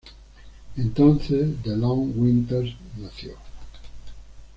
Entonces, The Long Winters nació.